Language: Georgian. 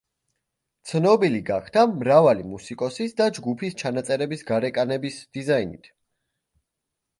ცნობილი გახდა მრავალი მუსიკოსის და ჯგუფის ჩანაწერების გარეკანების დიზაინით.